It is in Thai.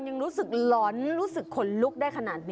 ยังรู้สึกหลอนรู้สึกขนลุกได้ขนาดนี้